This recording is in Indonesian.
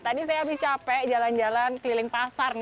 tadi saya habis capek jalan jalan keliling pasar nih